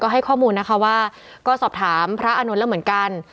ให้ข้อมูลนะคะว่าก็สอบถามพระอานนท์แล้วเหมือนกัน